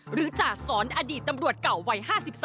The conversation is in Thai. จ่าสอนอดีตตำรวจเก่าวัย๕๓